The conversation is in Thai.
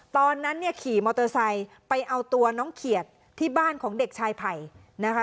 ตอนนั้นเนี่ยขี่มอเตอร์ไซค์ไปเอาตัวน้องเขียดที่บ้านของเด็กชายไผ่นะคะ